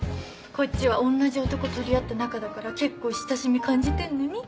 こっちは同じ男取り合った仲だからけっこう親しみ感じてんのに。